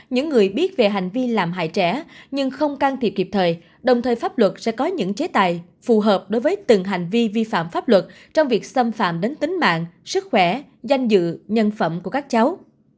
những người biết về hành vi làm hại trẻ nhưng không can thiệp kịp thời đồng thời pháp luật sẽ có những chế tài phù hợp đối với từng hành vi vi phạm pháp luật trong việc xâm phạm đến tính mạng sức khỏe danh dự nhân phẩm của các cháu